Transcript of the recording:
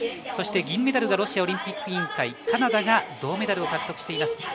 そして、銀メダルがロシアオリンピック委員会カナダが銅メダルを獲得してます。